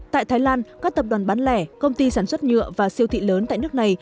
tại thái lan các tập đoàn bán lẻ công ty sản xuất nhựa và siêu thị lớn tại nước này